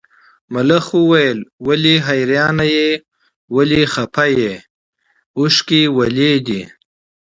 ملخ وویل ولې حیرانه یې ولې خپه یې اوښکي ولې دي.